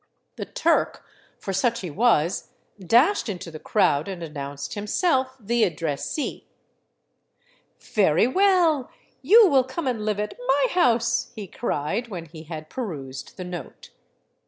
The ''Turk," for such he was, dashed into the crowd and announced himself the addressee. 354 OVERLAND TOWARD CUZCO " Very well ; you will come and live at my house," he cried, when he had perused the note.